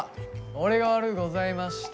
俺が悪うございました。